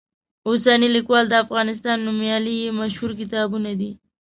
اوسنی لیکوال، د افغانستان نومیالي یې مشهور کتابونه دي.